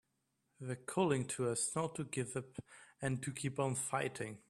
They're calling to us not to give up and to keep on fighting!